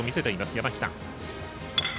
山北。